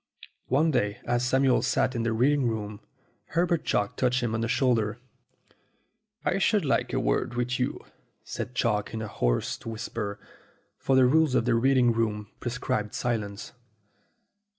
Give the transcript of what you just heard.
One day, as Samuel sat in the reading room, Her bert Chalk touched him on the shoulder. "I should like a word with you," said Chalk, in a hoarse whisper, for the rule of the reading room pre scribed silence.